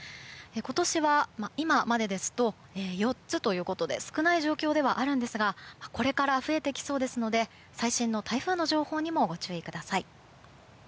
今年は今までですと４つということで少ない状況ではあるんですがこれから増えてきそうですので最新の台風の情報にもご注意ください。